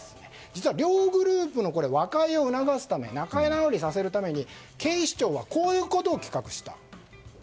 実は両グループの和解を促すため仲直りさせるために、警視庁はこういうことを企画した。